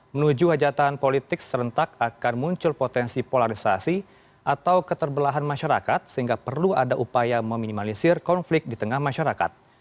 menuju hajatan politik serentak akan muncul potensi polarisasi atau keterbelahan masyarakat sehingga perlu ada upaya meminimalisir konflik di tengah masyarakat